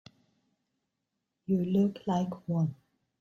You look like one.